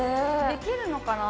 できるのかな？